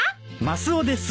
マスオです。